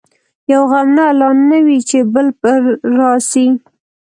یو غم نه لا نه وي چي بل پر راسي